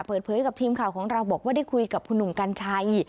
เปิดเผยกับทีมข่าวของเราบอกว่าได้คุยกับคุณหนุ่มกัญชัย